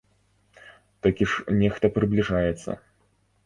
Такі ж нехта прыбліжаецца!